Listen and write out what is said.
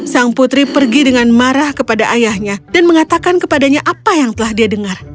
sang putri pergi dengan marah kepada ayahnya dan mengatakan kepadanya apa yang telah dia dengar